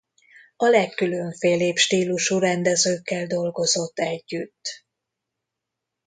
A legkülönfélébb stílusú rendezőkkel dolgozott együtt.